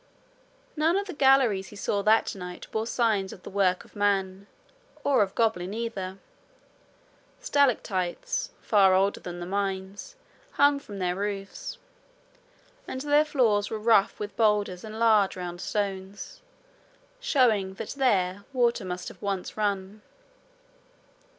None of the galleries he saw that night bore signs of the work of man or of goblin either. Stalactites, far older than the mines, hung from their roofs; and their floors were rough with boulders and large round stones, showing that there water must have once run.